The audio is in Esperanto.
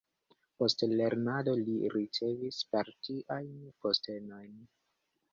Post lernado li ricevis partiajn postenojn.